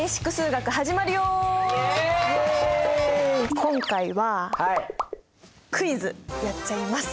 今回はクイズやっちゃいます。